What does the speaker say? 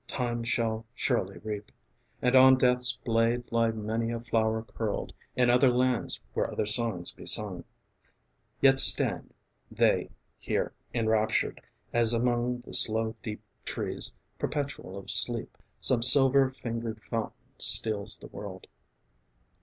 Time shall surely reap, And on Death's blade lie many a flower curled, In other lands where other songs be sung; Yet stand They here enraptured, as among The slow deep trees perpetual of sleep Some silver fingered fountain steals the world.